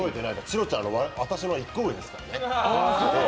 チロちゃん、私の１個上ですからね。